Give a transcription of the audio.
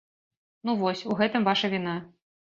Ну, вось, у гэтым ваша віна.